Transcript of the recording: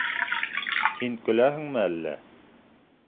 Һин көләһеңме әллә?